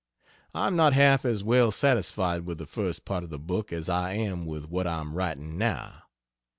I am not half as well satisfied with the first part of the book as I am with what I am writing now.